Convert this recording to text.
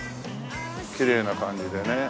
きれいな感じでね。